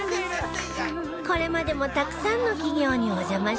これまでもたくさんの企業にお邪魔してきました